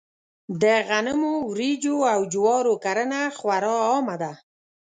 د غنمو، وريجو او جوارو کرنه خورا عامه ده.